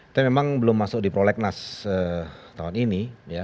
itu memang belum masuk di prolegnas tahun ini